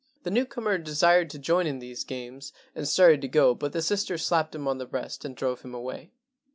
The newcomer desired to join in these games and started to go, but the sister slapped him on the breast and drove him away.